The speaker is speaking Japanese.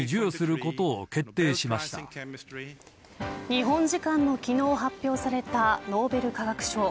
日本時間の昨日発表されたノーベル化学賞。